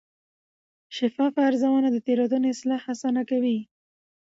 شفاف ارزونه د تېروتنو اصلاح اسانه کوي.